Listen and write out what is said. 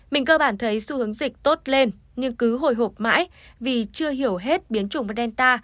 mình cơ bản thấy xu hướng dịch tốt lên nhưng cứ hồi hộp mãi vì chưa hiểu hết biến chủng delta